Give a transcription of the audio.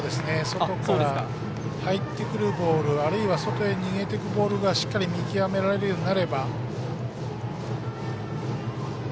外から入ってくるボールあるいは外へ逃げていくボールがしっかり見極められるようになれば。